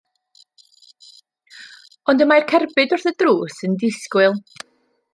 Ond y mae'r cerbyd wrth y drws yn disgwyl.